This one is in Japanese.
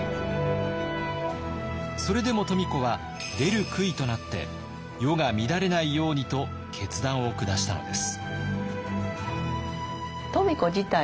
それでも富子は出る杭となって世が乱れないようにと決断を下したのです。